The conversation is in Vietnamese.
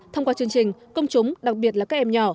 thông qua chương trình công chúng đặc biệt là các em nhỏ